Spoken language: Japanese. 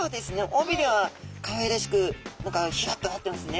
尾びれはかわいらしく何かヒラっとなってますね。